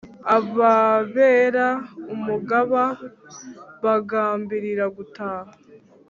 Ababera umugaba bagambirira gutaha